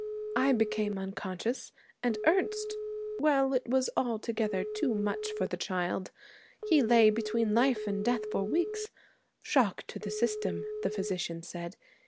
I became unconscious, and Ernest well, it was altogether too much for the child. He lay between life and death for weeks. Shock to the system, the physician said.